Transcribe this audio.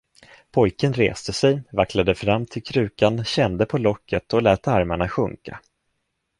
Pojken reste sig, vacklade fram till krukan, kände på locket och lät armarna sjunka.